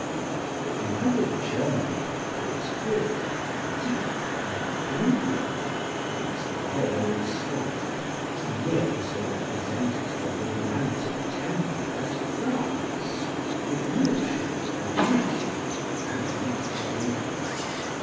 But neither Germany, with its Goethe and Tieck, nor England, with its Byron and Scott, is nearly so representative of the romantic temper as France, with Murger, and Gautier, and Victor Hugo.